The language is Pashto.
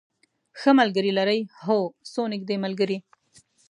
ښه ملګری لرئ؟ هو، څو نږدې ملګری